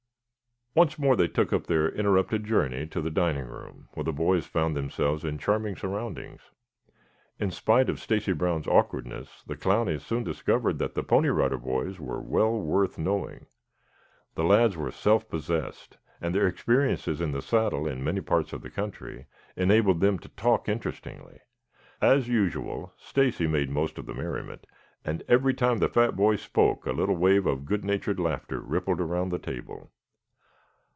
Once more they took up their interrupted journey to the dining room, where the boys found themselves in charming surroundings. In spite of Stacy Brown's awkwardness, the Clowneys soon discovered that the Pony Rider Boys were well worth knowing. The lads were self possessed, and their experiences in the saddle in many parts of the country enabled them to talk interestingly. As usual, Stacy made most of the merriment, and every time the fat boy spoke a little wave of good natured laughter rippled around the table.